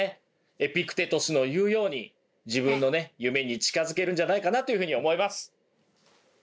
エピクテトスの言うように自分の夢に近づけるんじゃないかなというふうに思います。